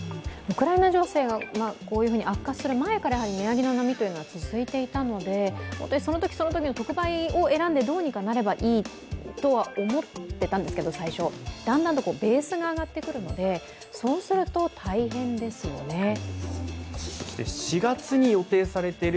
ウクライナ情勢が悪化する前から値上げの波というのは続いていたのでそのときそのときの特売を選んでどうにかなればいいと思っていたんですが、だんだんとベースが上がってくるので、そうすると大変ですよね。